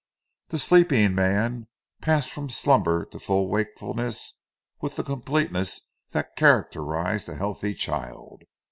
The sleeping man passed from slumber to full wakefulness with the completeness that characterizes a healthy child.